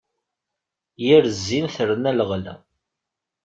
Yir zzin terna leɣla.